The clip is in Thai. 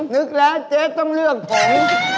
นึกแล้วเจ๊ต้องเลือกผม